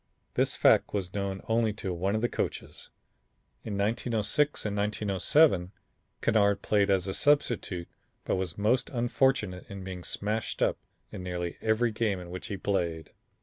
This fact was known to only one of the coaches. In 1906 and 1907, Kennard played as a substitute but was most unfortunate in being smashed up in nearly every game in which he played.